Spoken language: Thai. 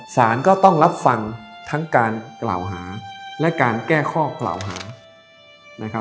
สารก็ต้องรับฟังทั้งการกล่าวหาและการแก้ข้อกล่าวหานะครับ